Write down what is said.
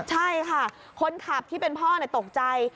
ใช่ค่ะคนขับที่เป็นพ่อตกใจ